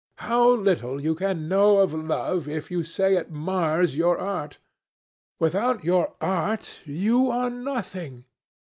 How little you can know of love, if you say it mars your art! Without your art, you are nothing.